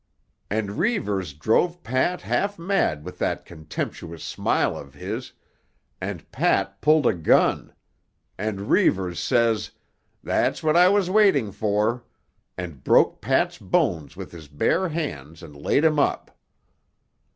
"And Reivers drove Pat half mad with that contemptuous smile of his, and Pat pulled a gun; and Reivers says, 'That's what I was waiting for,' and broke Pat's bones with his bare hands and laid him up.